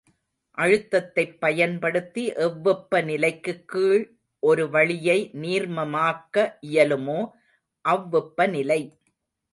அழுத்தத்தைப் பயன்படுத்தி எவ்வெப்ப நிலைக்குக் கீழ் ஒரு வளியை நீர்மமாக்க இயலுமோ அவ்வெப்பநிலை.